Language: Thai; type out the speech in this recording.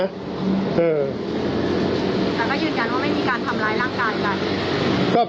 แต่ก็ยืนยันว่าไม่มีการทำร้ายร่างกายกัน